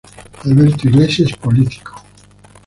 Alberto Iglesias Político.